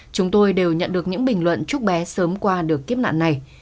chúng tôi đều nhận được những bình luận chúc bé sớm qua được kiếp nạn này